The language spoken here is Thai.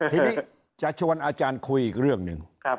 ทีนี้จะชวนอาจารย์คุยอีกเรื่องหนึ่ง